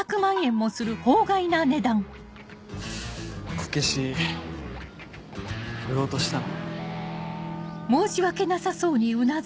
こけし売ろうとしたの？